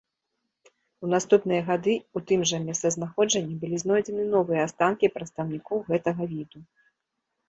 У наступныя гады ў тым жа месцазнаходжанні былі знойдзены новыя астанкі прадстаўнікоў гэтага віду.